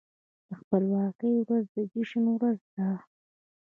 د خپلواکۍ ورځ د جشن ورځ ده.